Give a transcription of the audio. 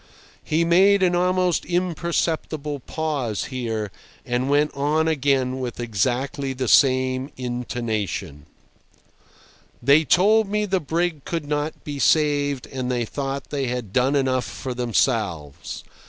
He made an almost imperceptible pause here, and went on again with exactly the same intonation: "They told me the brig could not be saved, and they thought they had done enough for themselves.